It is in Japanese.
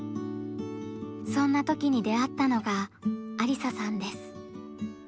そんな時に出会ったのがありささんです。